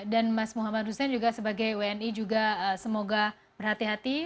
dan mas muhammad hussein juga sebagai wni juga semoga berhati hati